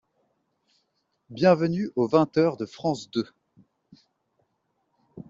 Bienvenue au vingt heures de France Deux.